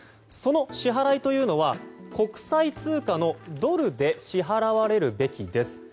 その支払いというのは国際通貨のドルで支払われるべきです。